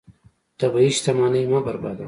طبیعي شتمنۍ مه بربادوه.